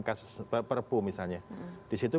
kasus perpu misalnya disitu